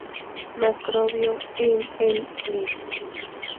Macrobio en el lib.